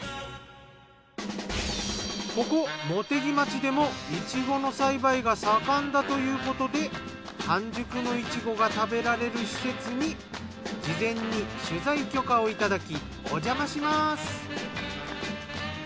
ここ茂木町でもイチゴの栽培が盛んだということで完熟のイチゴが食べられる施設に事前に取材許可をいただきおじゃまします。